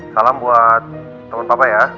salam buat teman bapak ya